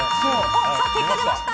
結果出ました。